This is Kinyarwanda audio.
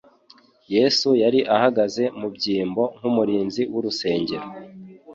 Yesu yari agahagaze mu byimbo nk’umurinzi w’urusengero.